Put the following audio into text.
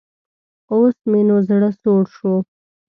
اوس مې نو زړۀ سوړ شو.